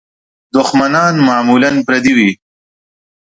دوښمنان معمولاً پردي وي.